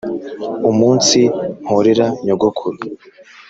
umunsi mporera nyogokuru